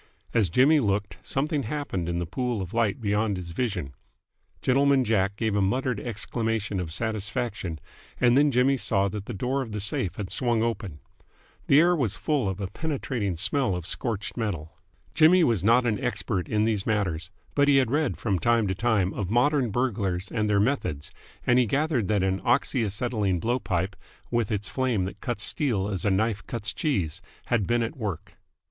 As Jimmy looked, something happened in the pool of light beyond his vision. Gentleman Jack gave a muttered exclamation of satisfaction, and then Jimmy saw that the door of the safe had swung open. The air was full of a penetrating smell of scorched metal. Jimmy was not an expert in these matters, but he had read from time to time of modern burglars and their methods, and he gathered that an oxy acetylene blow pipe, with its flame that cuts steel as a knife cuts cheese, had been at work.